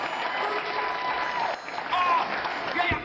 あいやいや！